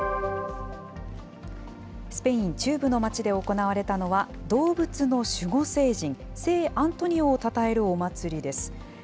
スペイン中部の町で行われたのは、動物の守護聖人、聖アントニオをたたえるお祭りです。